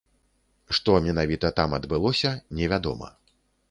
Што менавіта там адбылося, невядома.